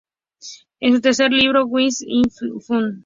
En su tercer libro, "Why is Sex Fun?